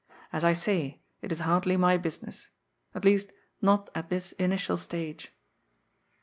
As I say, it is hardly my business. At least, not at this initial stage.